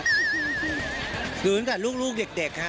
รู้ตั้งแต่ลูกเด็กค่ะ